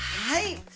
はい。